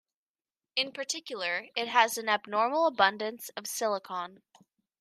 In particular, it has an abnormal abundance of silicon.